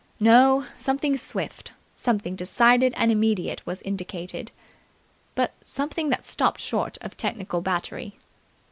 No. Something swift, something decided and immediate was indicated, but something that stopped short of technical battery.